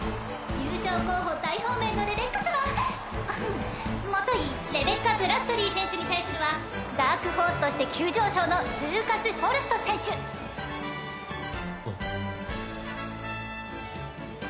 優勝候補大本命のレベッカ様ゴホンもといレベッカ＝ブラッドリィ選手に対するはダークホースとして急上昇のルーカス＝フォルスト選手あっ